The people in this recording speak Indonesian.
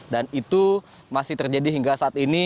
dan itu masih terjadi hingga saat ini